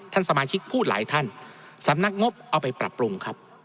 สมาชิกพูดหลายท่านสำนักงบเอาไปปรับปรุงครับ